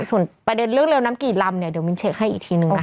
ส่วนประเด็นเรื่องเร็วน้ำกี่ลำเนี่ยเดี๋ยวมิ้นเช็คให้อีกทีนึงนะคะ